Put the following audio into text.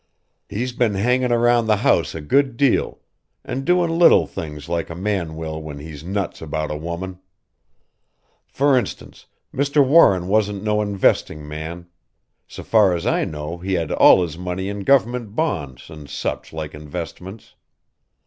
He's been hangin' around the house a good deal an' doin' little things like a man will when he's nuts about a woman. For instance, Mr. Warren wasn't no investing man: s'far's I know he had all his money in gover'ment bonds and such like investments.